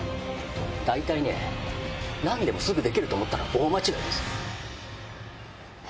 大体ね、なんでもすぐできると思ったら大間違いです。